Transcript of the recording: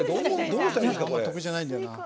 得意じゃないんだよな。